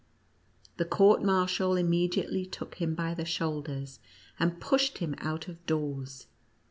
The court marshal im mediately took him by the shoulders, and pushed him out of doors.